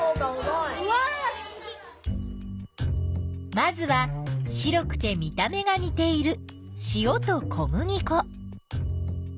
まずは白くて見た目がにているしおと小麦粉。